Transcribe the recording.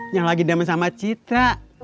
yang lagi damai sama citra